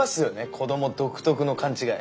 子供独特の勘違い。